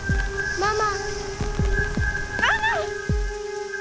ママ。